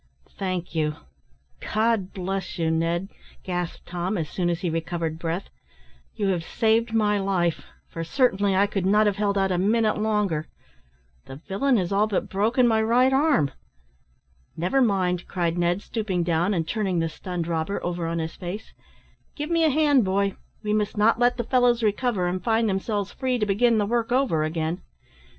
"Thank you God bless you, Ned," gasped Tom, as soon as he recovered breath; "you have saved my life, for certainly I could not have held out a minute longer. The villain has all but broken my right arm." "Never mind," cried Ned, stooping down, and turning the stunned robber over on his face, "give me a hand, boy; we must not let the fellows recover and find themselves free to begin the work over again.